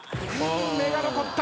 目が残った。